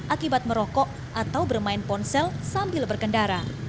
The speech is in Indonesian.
akibat merokok atau bermain ponsel sambil berkendara